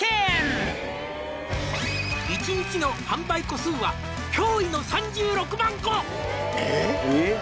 「１日の販売個数は驚異の３６万個」えっ？